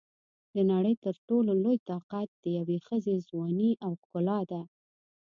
د نړۍ تر ټولو لوی طاقت د یوې ښځې ځواني او ښکلا ده.